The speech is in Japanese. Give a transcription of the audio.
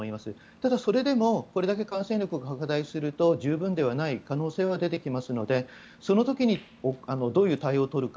ただ、それでもこれだけ感染力が拡大していると十分ではない可能性は出てきますのでその時にどういう対応を取るか。